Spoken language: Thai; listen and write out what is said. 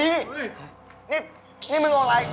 นี่นี่มึงโอไลค์